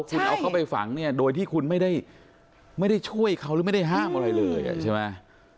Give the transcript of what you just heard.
คุณเอาเขาไปฝังเนี่ยโดยที่คุณไม่ได้ช่วยเขาหรือไม่ได้ห้ามอะไรเลยใช่ไหม